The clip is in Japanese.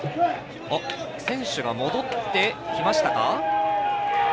選手が戻ってきましたか。